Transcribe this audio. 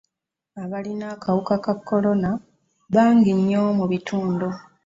Abalina akawuka ka kolona bangi nnyo mu bitundu.